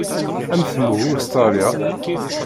Amek temmug Usetṛalya?